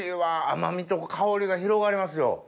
甘みと香りが広がりますよ。